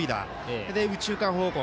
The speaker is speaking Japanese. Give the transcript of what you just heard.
それで右中間方向。